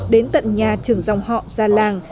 đến tận nhà trưởng dòng họ ra làng